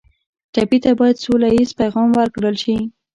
ټپي ته باید سوله ییز پیغام ورکړل شي.